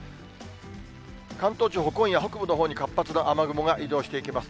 関東地方、今夜、北部のほうに活発な雨雲が移動していきます。